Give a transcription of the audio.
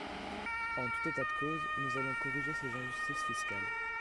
En tout état de cause, nous allons corriger ces injustices fiscales.